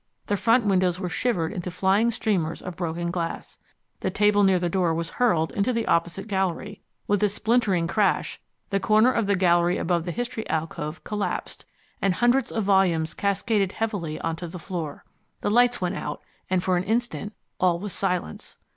The front windows were shivered into flying streamers of broken glass. The table near the door was hurled into the opposite gallery. With a splintering crash the corner of the gallery above the History alcove collapsed, and hundreds of volumes cascaded heavily on to the floor. The lights went out, and for an instant all was silence.